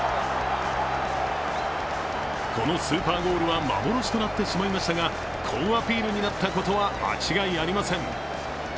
このスーパーゴールは幻となってしまいましたが好アピールになったことは間違いありません。